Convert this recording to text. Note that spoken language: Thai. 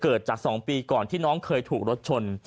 เกิดจาก๒ปีก่อนที่น้องเคยถูกรถชน